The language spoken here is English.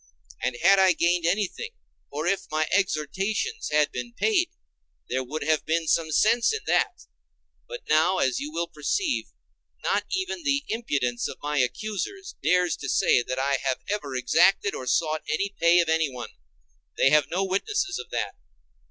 And had I gained anything, or if my exhortations had been paid, there would have been some sense in that: but now, as you will perceive, not even the impudence of my accusers dares to say that I have ever exacted or sought pay of anyone; they have no witness of that.